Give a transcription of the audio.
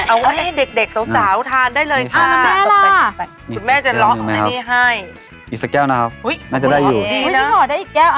โอเคแล้วค่ะน่าจะได้แล้ว